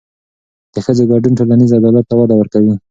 د ښځو ګډون ټولنیز عدالت ته وده ورکوي.